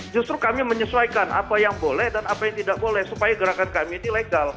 justru kami menyesuaikan apa yang boleh dan apa yang tidak boleh supaya gerakan kami ini legal